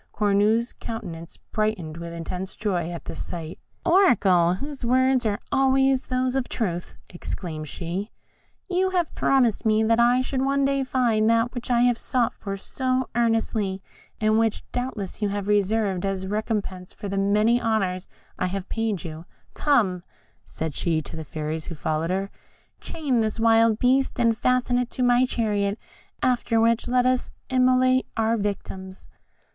Cornue's countenance brightened with intense joy at this sight. "Oracle, whose words are always those of truth," exclaimed she, "you have promised me that I should one day find that which I have sought for so earnestly, and which doubtless you have reserved as a recompense for the many honours I have paid to you. Come," said she to the fairies who followed her, "chain this wild beast, and fasten it to my chariot, after which let us immolate our victims."